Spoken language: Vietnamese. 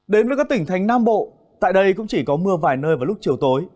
đến với các tỉnh thành nam bộ tại đây cũng chỉ có mưa vài nơi vào lúc chiều tối